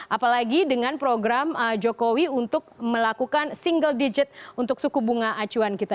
apalagi dengan program jokowi untuk melakukan single digit untuk suku bunga acuan kita